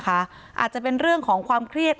อาจจะเป็นเรื่องของความเครียด